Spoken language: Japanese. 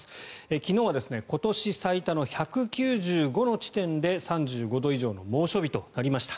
昨日は今年最多の１９５の地点で３５度以上の猛暑日となりました。